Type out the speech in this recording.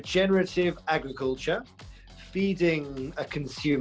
dan dalam sistem makanan